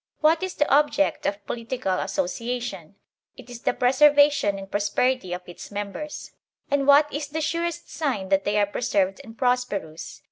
What is the object of political association ? It is the preservation and pros perity of its members. And what is the surest sign that they are preserved and prosperous